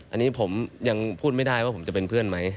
อันนี้ผมยังพูดไม่ได้ว่าผมจะเป็นเพื่อนไหม